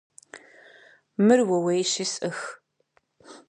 Мыр ууейщи, сӏых.